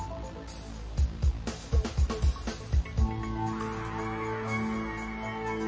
ขอบคุณที่มาที่รัก